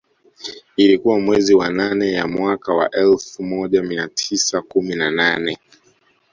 Ilikuwa mwezi wa nane ya mwaka wa elfu moja mia tisa kumi na nne